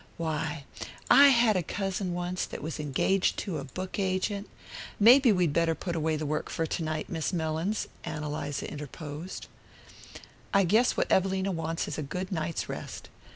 Why, I had a cousin once that was engaged to a book agent " "Maybe we'd better put away the work for to night, Miss Mellins," Ann Eliza interposed. "I guess what Evelina wants is a good night's rest."